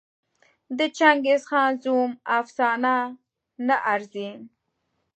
د چنګېزخان زوم افسانه نه ارزي.